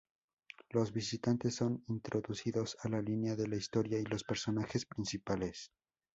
Los visitantes son introducidos a la línea de la historia y los personajes principales.